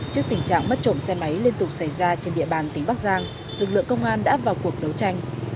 trước tình trạng mất trộm xe máy liên tục xảy ra trên địa bàn tỉnh bắc giang lực lượng công an đã vào cuộc đấu tranh